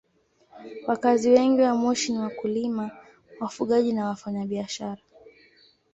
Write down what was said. Wakazi wengi wa Moshi ni wakulima, wafugaji na wafanyabiashara.